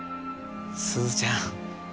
すずちゃん